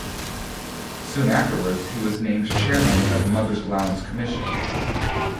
Soon afterwards, he was named chairman of the Mother's Allowance Commission.